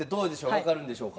わかるんでしょうか？